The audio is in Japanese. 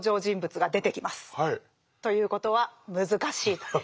ということは難しいと。